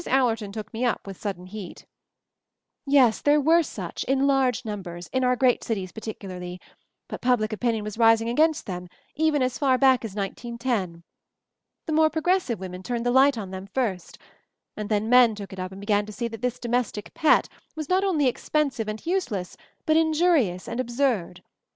Allerton took me up with sudden heat: "Yes, there were such, in large numbers, in our great cities particularly; but public opinion was rising against them even as far back as 1910. The more progressive women turned the light on them first, and then men took it up and began to see that this domes tic pet was not only expensive and useless but injurious and absurd.